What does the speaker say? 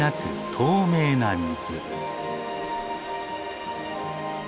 透明な水。